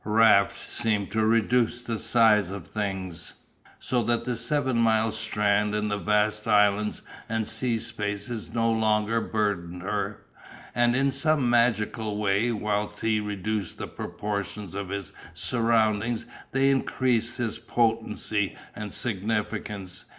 Raft seemed to reduce the size of things, so that the seven mile strand and the vast islands and sea spaces no longer burdened her, and in some magical way whilst he reduced the proportions of his surroundings they increased his potency and significance.